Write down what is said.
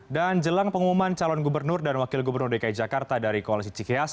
dan jelang pengumuman calon gubernur dan wakil gubernur dki jakarta dari koalisi cikias